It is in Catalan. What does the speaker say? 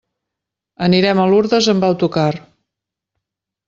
Anirem a Lurdes amb autocar.